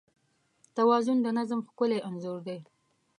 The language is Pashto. توازن د نظم ښکلی انځور دی.